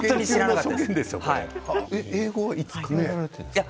えっ英語はいつからやられてるんですか？